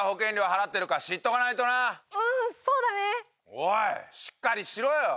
おいしっかりしろよ！